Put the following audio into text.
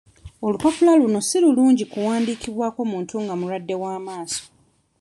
Olupapula luno si lulungi kuwandiikibwako muntu nga mulwadde w'amaaso.